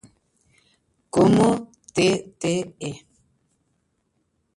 Como Tte.